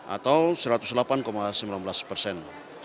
atau satu ratus delapan sembilan belas persen